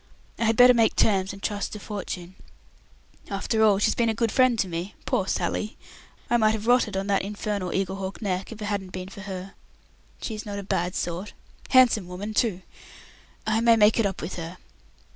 I had better make terms and trust to fortune. After all, she's been a good friend to me. Poor Sally! I might have rotted on that infernal Eaglehawk Neck if it hadn't been for her. She is not a bad sort. Handsome woman, too. I may make it up with her.